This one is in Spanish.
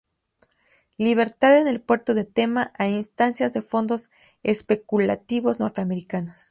Libertad en el puerto de Tema a instancias de fondos especulativos norteamericanos.